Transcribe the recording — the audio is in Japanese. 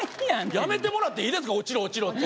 やめてもらっていいですか「落ちろ落ちろ」って。